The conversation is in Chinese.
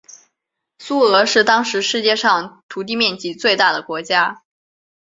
苏俄是当时世界上土地面积最大的国家。